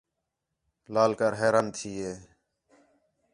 لال کر حیران تھی ہِے